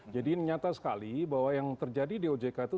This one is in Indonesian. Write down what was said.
jadi ini nyata sekali bahwa yang terjadi di ojk itu